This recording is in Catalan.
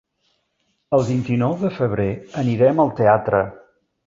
El vint-i-nou de febrer anirem al teatre.